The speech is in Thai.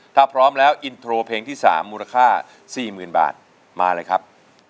ถ้าพร้อมแล้วอินโทรเพลงที่๓มูลค่า๔๐๐๐บาทมาเลยครับ